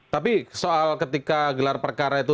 tapi soal ketika gelar perkara itu